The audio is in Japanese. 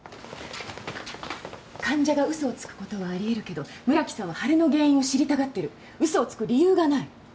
患者がうそをつくことはありえるけど村木さんは腫れの原因を知りたがってるうそをつく理由がない。